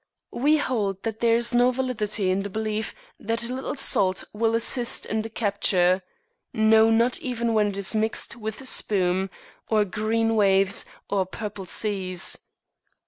We hold that there is no validity in the belief that a little salt will assist the capture; no, not even when it is mixed with spume, or green waves, or purple seas.